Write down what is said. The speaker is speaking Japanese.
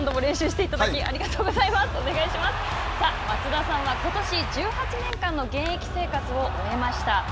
松田さんは、ことし１８年間の現役生活を終えました。